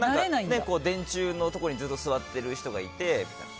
電柱のところにずっと座っている人がいて、みたいな。